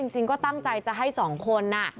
จริงก็ตั้งใจจะให้สองคนน่ะ